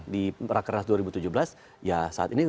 di rakernas dua ribu tujuh belas ya saat ini